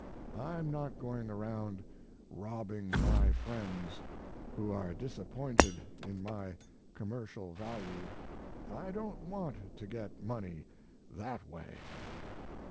I'm not going around robbing my friends who are disappointed in my commercial value. I don't want to get money that way."